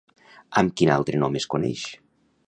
Amb quin altre nom es coneix?